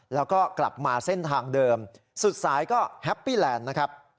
แล้วก็กลับมาเส้นทางเดิมสุดท้ายก็แฮปปี้แลนด์นะครับ